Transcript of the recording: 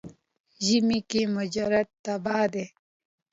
ژمي کې مجرد تبا دی.